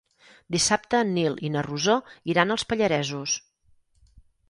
Dissabte en Nil i na Rosó iran als Pallaresos.